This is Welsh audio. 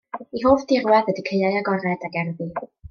Ei hoff dirwedd ydy caeau agored a gerddi.